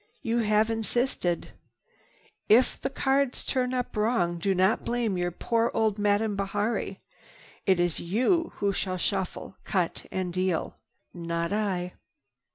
You have insisted. If the cards turn up wrong, do not blame your poor old Madame Bihari. It is you who shall shuffle, cut and deal—not I."